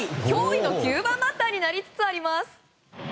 驚異の９番バッターになりつつあります。